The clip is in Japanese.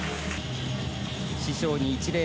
師匠に一礼。